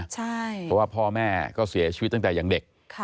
เพราะว่าพ่อแม่ก็เสียชีวิตตั้งแต่ยังเด็ก